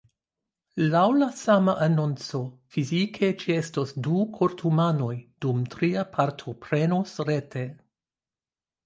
Laŭ la sama anonco, fizike ĉeestos du kortumanoj, dum tria partoprenos rete.